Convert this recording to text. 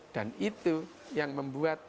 dan itu yang membuat